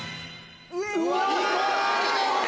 うわ！